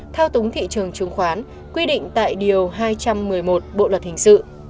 thao túng thị trường chứng khoán quy định tại điều hai trăm một mươi một bộ luật hình sự